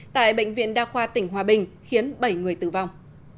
tại bệnh viện đa khoa tỉnh hòa bình khiến bảy người tử vong